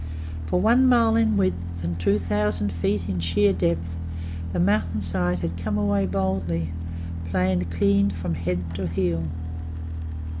For one mile in width and two thousand feet in sheer depth the mountain side had come away bodily, planed clean from head to heel.